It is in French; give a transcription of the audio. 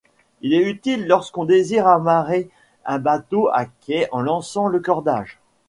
Il est utile lorsqu'on désire amarrer un bateau à quai en lançant le cordage.